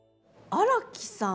荒木さん。